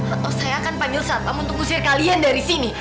atau saya akan panggil satpam untuk ngusir kalian dari sini